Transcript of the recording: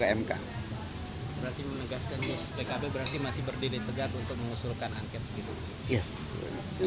berarti menegaskan terus pkb berarti masih berdiri tegak untuk mengusulkan anket